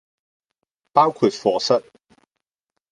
包括課室